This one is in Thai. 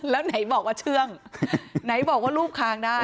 แล้วไหนบอกว่าเชื่องไหนบอกว่ารูปคางได้